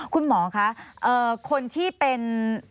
คุณหมอคะคนที่เป็น